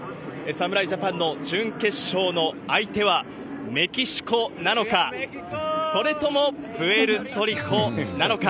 侍ジャパンの準決勝の相手はメキシコなのか、それともプエルトリコなのか。